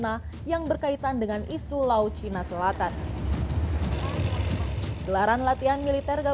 apa yang mudah ini and id tekrar